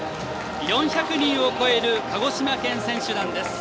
４５０人を超える鹿児島県選手団です。